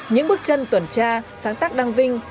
những bước chân tuần tra sáng tác đăng vinh